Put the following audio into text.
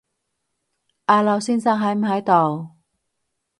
阿劉先生喺唔喺度